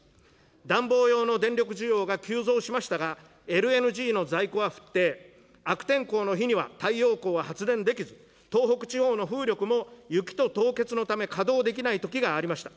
暖房用の電力需要が急増しましたが、ＬＮＧの在庫は払底、悪天候の日には太陽光は発電できず、東北地方の風力も雪と凍結のため稼働できないときがありました。